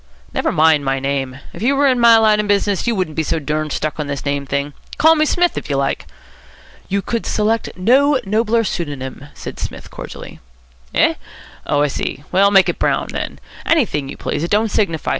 "Never mind my name. If you were in my line of business, you wouldn't be so durned stuck on this name thing. Call me Smith, if you like." "You could select no nobler pseudonym," said Psmith cordially. "Eh? Oh, I see. Well, make it Brown, then. Anything you please. It don't signify.